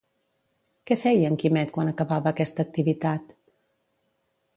Què feia en Quimet quan acabava aquesta activitat?